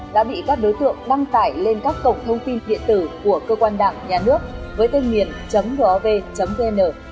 đã bị các đối tượng đăng tải lên các cổng thông tin điện tử của cơ quan đảng nhà nước với tên miền gov vn